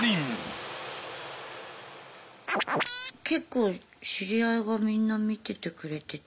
結構知り合いがみんな見ててくれてて。